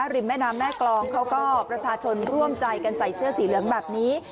ริมแม่น้ำแม่กรองเขาก็ประชาชนร่วมใจกันใส่เสื้อสีเหลืองแบบนี้